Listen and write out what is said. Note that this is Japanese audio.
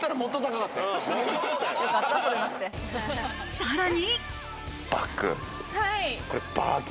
さらに。